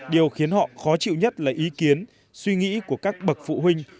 điều khiến họ khó chịu nhất là ý kiến suy nghĩ của các bậc phụ huynh